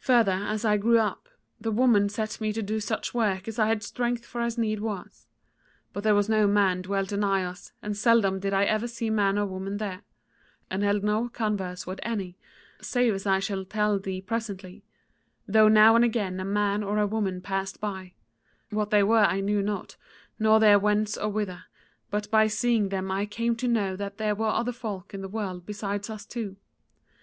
"Further, as I grew up, the woman set me to do such work as I had strength for as needs was; for there was no man dwelt anigh us and seldom did I ever see man or woman there, and held no converse with any, save as I shall tell thee presently: though now and again a man or a woman passed by; what they were I knew not, nor their whence and whither, but by seeing them I came to know that there were other folk in the world besides us two.